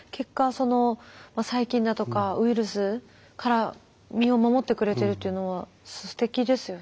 その細菌だとかウイルスから身を守ってくれてるというのはすてきですよね。